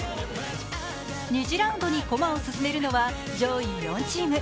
２次ラウンドに駒を進めるのは上位４チーム。